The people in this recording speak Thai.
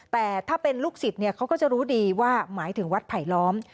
แต่ถ้าเป็นลูกศิษย์เขาก็จะรู้ดีว่าหมายถึงวัดไผลล้อม